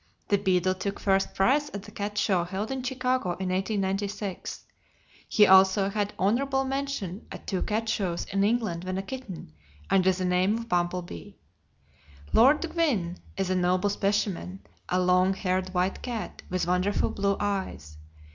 The Beadle took first prize at the cat show held in Chicago in 1896. He also had honorable mention at two cat shows in England when a kitten, under the name of Bumble Bee. Lord Gwynne is a noble specimen, a long haired white cat with wonderful blue eyes.